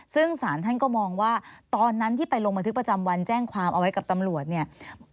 ซึ่งสารท่านก็มองว่าตอนนั้นที่ไปลงบันทึกประจำวันแจ้งความเอาไว้กับตำรวจเนี่ย